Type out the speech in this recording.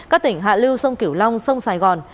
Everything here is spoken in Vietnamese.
các tỉnh hạ lưu sông kiểu long sông sài gòn